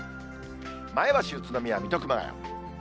前橋、宇都宮、水戸、熊谷。